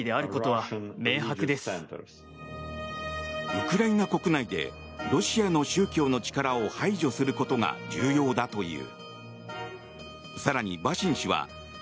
ウクライナ国内でロシアの宗教の力を排除することが重要だという。